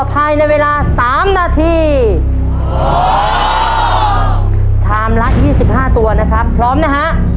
ภายในเวลาสามนาทีชามละยี่สิบห้าตัวนะครับพร้อมนะฮะ